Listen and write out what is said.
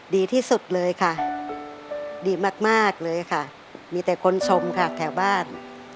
ดีที่สุดเลยค่ะดีมากเลยค่ะมีแต่คนชมค่ะแถวบ้าน